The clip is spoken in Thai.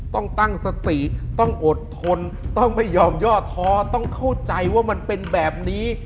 ต้องตั้งสติต้องอดทนต้องไม่ยอมย่อท้อต้องเข้าใจว่ามันเป็นแบบนี้